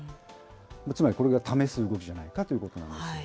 つまりこれが試す動きじゃないかということなんです。